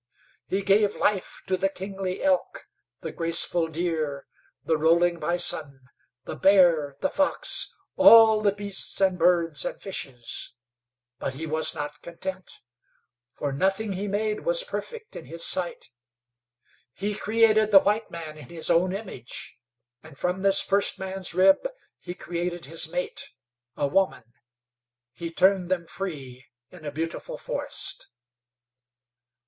He gave life to the kingly elk, the graceful deer, the rolling bison, the bear, the fox all the beasts and birds and fishes. But He was not content; for nothing He made was perfect in His sight. He created the white man in His own image, and from this first man's rib He created his mate a woman. He turned them free in a beautiful forest.